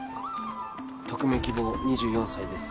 匿名希望２４歳です